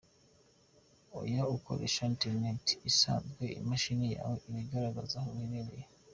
Iyo ukoresha internet isanzwe imashini yawe iba igaragaza aho iherereye.